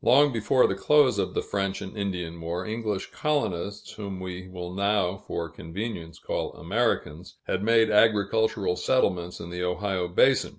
Long before the close of the French and Indian War, English colonists whom we will now, for convenience, call Americans had made agricultural settlements in the Ohio basin.